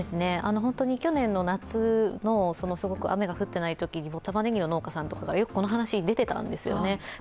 去年の夏のすごく雨が降っていないとき、たまねぎの農家さんよくこの話、出てたんですよね。